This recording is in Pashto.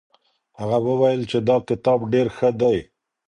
هغه وویل چي دا کتاب ډېر ښه دی.